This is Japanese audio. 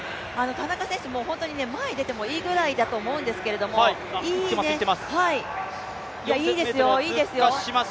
田中選手、本当に前に出てもいいぐらいだと思うんですけど、いいですよ、いいですよ。